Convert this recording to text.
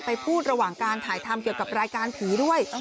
พูดระหว่างการถ่ายทำเกี่ยวกับรายการผีด้วย